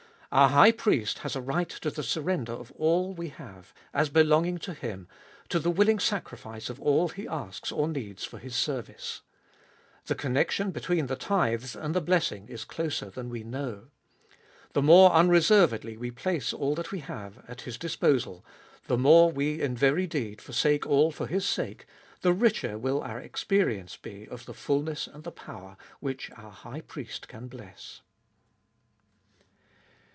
Our High Priest has a right to the surrender of all we have, as belonging to Him, to the willing sacrifice of all He asks or needs for His service. The connection between the tithes and the blessing is closer than we know. The more unreservedly we place all that we have at His disposal, the more we in very deed forsake all for His sake, the richer will our experience be of the fulness and the power which our High Priest can bless.